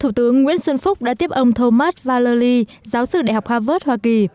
thủ tướng nguyễn xuân phúc đã tiếp ông thomas valely giáo sư đại học harvard hoa kỳ